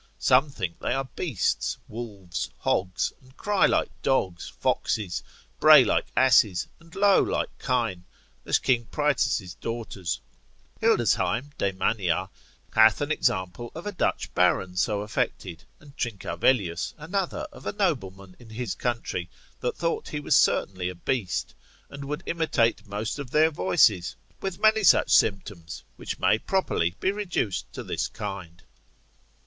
Some think they are beasts, wolves, hogs, and cry like dogs, foxes, bray like asses, and low like kine, as King Praetus' daughters. Hildesheim spicel. 2. de mania, hath an example of a Dutch baron so affected, and Trincavelius lib. 1. consil. 11. another of a nobleman in his country, that thought he was certainly a beast, and would imitate most of their voices, with many such symptoms, which may properly be reduced to this kind.